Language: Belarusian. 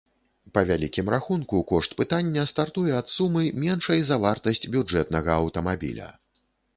Па вялікім рахунку, кошт пытання стартуе ад сумы, меншай за вартасць бюджэтнага аўтамабіля.